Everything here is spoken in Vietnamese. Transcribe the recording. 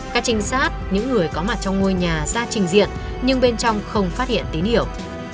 các trinh sát những người có mặt trong ngôi nhà ra trình diện nhưng bên trong không phát hiện tín hiểu